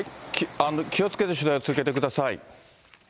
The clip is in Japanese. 気をつけて取材を続けてください。